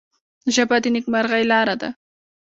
ژبه د نیکمرغۍ لاره ده